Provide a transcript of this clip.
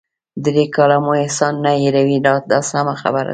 درې کاله مو احسان نه هیروي دا سمه خبره ده.